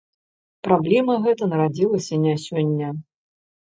Праблема гэта нарадзілася не сёння.